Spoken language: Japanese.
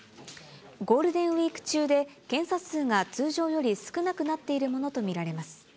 ゴールデンウィーク中で、検査数が通常より少なくなっているものと見られます。